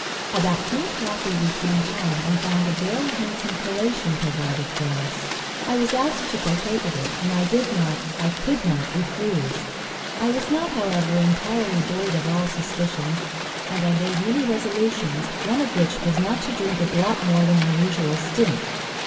"About two o'clock we returned home, and found a very handsome collation provided for us. I was asked to partake of it, and I did not, I could not refuse. I was not, however, entirely void of all suspicion, and I made many resolutions; one of which was, not to drink a drop more than my usual stint.